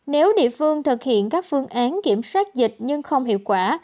nếu địa phương thực hiện các phương án kiểm soát dịch nhưng không hiệu quả